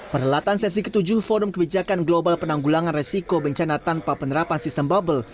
perhelatan sesi ketujuh forum kebijakan global penanggulangan resiko bencana tanpa penerapan sistem bubble